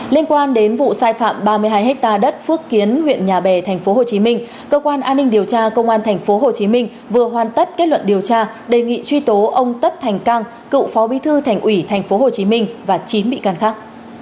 liên quan đến vụ sai phạm ba mươi hai hectare đất phước kiến huyện nhà bè tp hcm cơ quan an ninh điều tra công an tp hcm vừa hoàn tất kết luận điều tra đề nghị truy tố ông tất thành cang cựu phó bí thư thành ủy tp hcm và chín bị can khác